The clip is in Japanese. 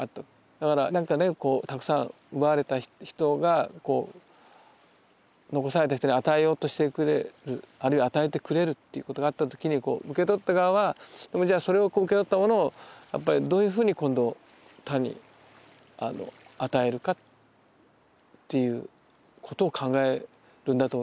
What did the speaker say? だからなんかねたくさん奪われた人が残された人に与えようとしてくれるあるいは与えてくれるっていうことがあったときに受け取った側はじゃあそれを受け取ったものをどういうふうに今度他に与えるかっていうことを考えるんだと思いますよね。